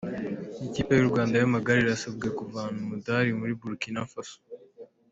Ikipe y’u Rwanda y’amagare irasabwa kuvana umudari muri Burkina Faso